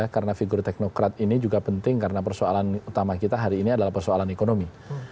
karena figur teknokrat ini juga penting karena persoalan utama kita hari ini adalah persoalan ekonomi